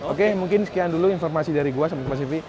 oke mungkin sekian dulu informasi dari gua sobat tempat cv